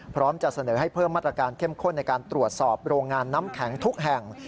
พร้อมจะเสนอให้เพิ่มมาตรการเข้มข้นในการตรวจสอบโรงงานน้ำแข็งทุกแห่ง